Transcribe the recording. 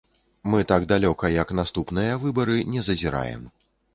Мы так далёка, як наступныя выбары, не зазіраем.